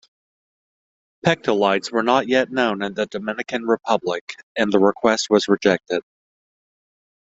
Pectolites were not yet known in the Dominican Republic, and the request was rejected.